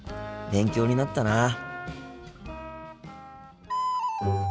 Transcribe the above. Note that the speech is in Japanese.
勉強になったな。